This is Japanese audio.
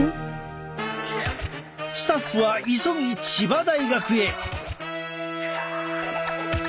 スタッフは急ぎ千葉大学へ。